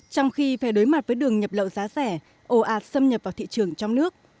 trong khi phải đối mặt với đường nhập lậu giá rẻ ồ ạt xâm nhập vào thị trường trong nước